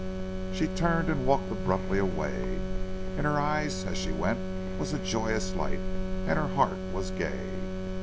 She turned and walked abruptly away. In her eyes as she went was a joyous light, and her heart was gay.